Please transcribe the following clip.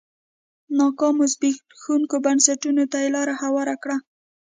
ناکامو زبېښونکو بنسټونو ته یې لار هواره کړه.